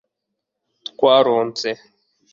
twaronse